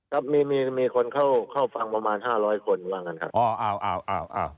ครับมีคนเข้าฟังประมาณ๕๐๐คนว่างั้นครับ